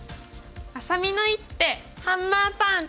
あさみの一手ハンマーパンチ！